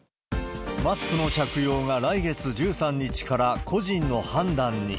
マスクの着用が来月１３日から個人の判断に。